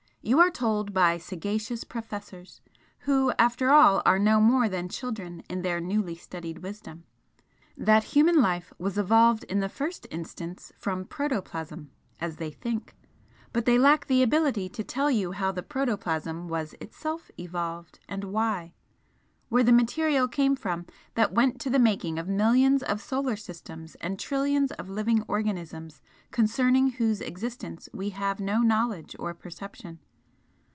You are told by sagacious professors, who after all are no more than children in their newly studied wisdom, that human life was evolved in the first instance from protoplasm as they THINK, but they lack the ability to tell you how the protoplasm was itself evolved and WHY; where the material came from that went to the making of millions of solar systems and trillions of living organisms concerning whose existence we have no knowledge or perception.